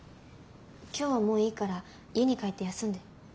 今日はもういいから家に帰って休んで。